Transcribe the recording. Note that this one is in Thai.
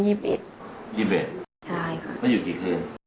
๒๑ใช่ค่ะมาอยู่กี่คืน